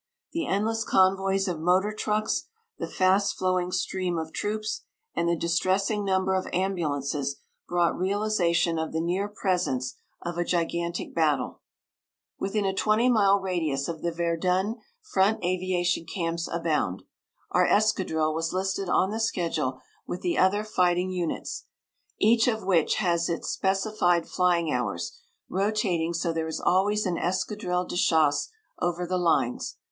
The endless convoys of motor trucks, the fast flowing stream of troops, and the distressing number of ambulances brought realization of the near presence of a gigantic battle. Within a twenty mile radius of the Verdun front aviation camps abound. Our escadrille was listed on the schedule with the other fighting units, each of which has its specified flying hours, rotating so there is always an escadrille de chasse over the lines.